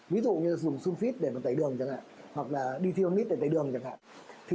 ví dụ như dùng sulfite để tẩy đường chẳng hạn hoặc là dithionite để tẩy đường chẳng hạn